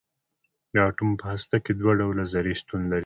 د اټوم په هسته کې دوه ډوله ذرې شتون لري.